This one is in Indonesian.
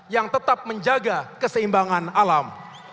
yang tetap menjaga keseimbangan alam